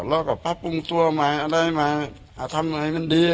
เราก็ปรับปรุงตัวมาไอ้เพื่อนไหนทำไงมันดีอ่ะ